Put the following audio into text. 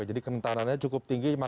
oke jadi kerentanannya cukup tinggi